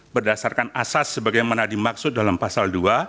berdasarkan asas sebagaimana dimaksud dalam pasal dua